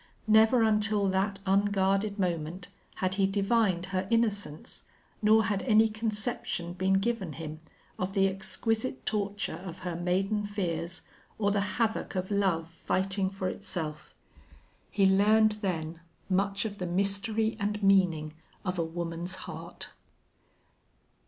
Never until that unguarded moment had he divined her innocence, nor had any conception been given him of the exquisite torture of her maiden fears or the havoc of love fighting for itself. He learned then much of the mystery and meaning of a woman's heart.